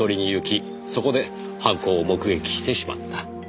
そこで犯行を目撃してしまった。